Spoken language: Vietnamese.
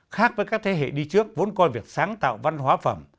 khác với các thế hệ đi trước vốn coi việc sáng tạo văn hóa phẩm